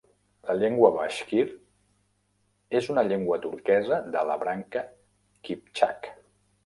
La llengua bashkir és una llengua turquesa de la branca kiptxak.